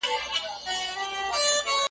هرڅه څرنګه سي مړاوي هر څه څرنګه وچیږي .